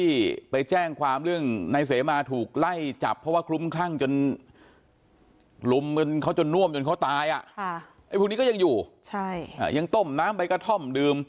อีกทางนี้ก็ยังอยู่ยังต้มน้ำไปกระท่อมดื่ม